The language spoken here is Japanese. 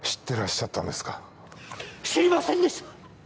てらっしゃったんですか知りませんでした